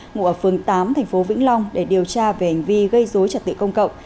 ngụ ở phường tám tp vĩnh long để điều tra về hành vi gây dối trật tự công cộng